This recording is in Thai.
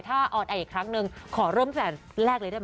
ถ้าออนแอร์อีกครั้งหนึ่งขอร่วมแสนแรกเลยได้ไหม